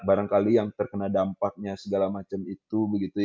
barangkali yang terkena dampaknya segala macam itu